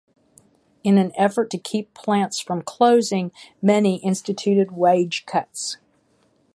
In an effort to keep plants from closing, many instituted wage cuts.